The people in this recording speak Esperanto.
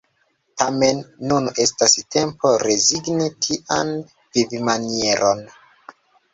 Tamen nun estas tempo rezigni tian vivmanieron.